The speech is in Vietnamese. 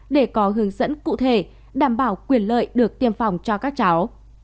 để có hướng dẫn cụ thể đảm bảo quyền lợi được tiêm phòng cho các cháu